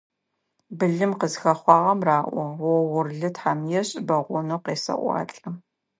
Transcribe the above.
Былым къызыхэхъуагъэм раӀо: «Огъурылы тхьэ ешӀ!», «Бэгъонэу къесэӀуалӀэ.».